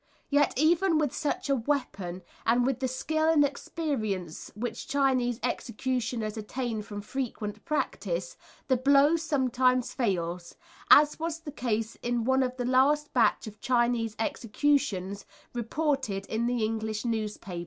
Yet even with such a weapon, and with the skill and experience which Chinese executioners attain from frequent practice, the blow sometimes fails, as was the case in one of the last batch of Chinese executions reported in the English newspapers.